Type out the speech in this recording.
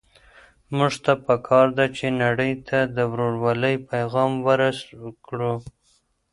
موږ ته په کار ده چي نړۍ ته د ورورولۍ پيغام ورکړو.